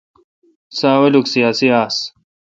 سو اولوک سیاسی آس۔